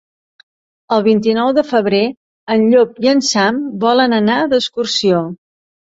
El vint-i-nou de febrer en Llop i en Sam volen anar d'excursió.